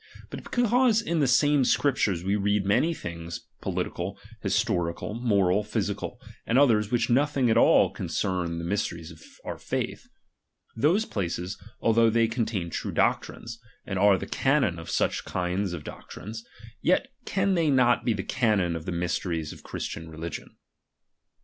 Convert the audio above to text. But because in the same Scriptures we read many things politi cal, historical, moral, physical, and others which nothing at all concern the mysteries of our faith ; those places, although they contain true doctrine, and are the canon of such kind of doctrines, yet can they not be the canon of the mysteries of Christian religion.